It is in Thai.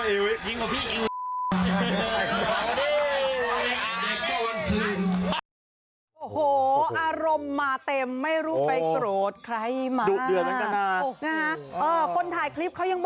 โอ้โฮอารมณ์มาเต็มไม่รู้ไปโตโฆสไครมาดแล้วนะพ่นถ่ายคลิปเขายังบอก